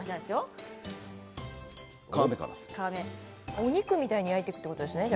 お肉みたいに焼いていくということですね。